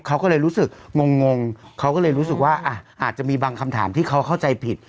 เขาก็เลยรู้สึกงงเขาก็เลยรู้สึกว่าอ่ะอาจจะมีบางคำถามที่เขาเข้าใจผิด